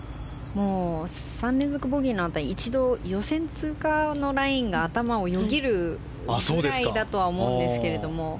３連続ボギーのあと一度、予選通過のラインが頭をよぎるぐらいだと思うんですけども。